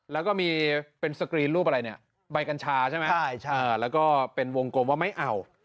แล้วก็มีเป็นสกรีนรูปอะไรเนี่ยใบกัญชาใช่ไหมแล้วก็เป็นวงกลมว่าไม่เอา